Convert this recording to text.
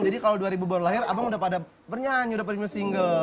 kalau dua ribu baru lahir abang udah pada bernyanyi udah pada single